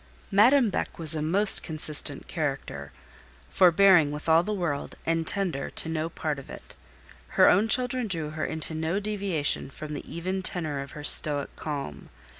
Madame Beck was a most consistent character; forbearing with all the world, and tender to no part of it. Her own children drew her into no deviation from the even tenor of her stoic calm.